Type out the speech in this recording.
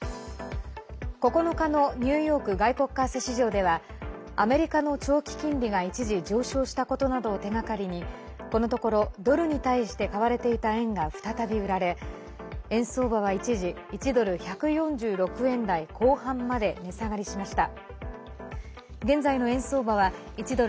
９日のニューヨーク外国為替市場ではアメリカの長期金利が一時、上昇したことなどを手がかりにこのところドルに対して買われていた円が再び売られ円相場は一時１ドル＝１４６円台後半まで値下がりしました。